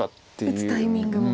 打つタイミングも。